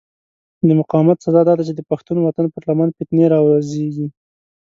د مقاومت سزا داده چې د پښتون وطن پر لمن فتنې را وزېږي.